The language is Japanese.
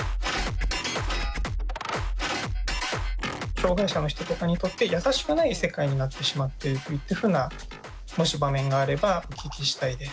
障害者の人とかにとって優しくない世界になってしまっていくっていうふうなもし場面があればお聞きしたいです。